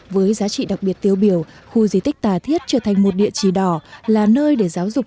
với giá trị đặc biệt tiêu biểu khu di tích tà thiết trở thành một địa chỉ đỏ là nơi để giáo dục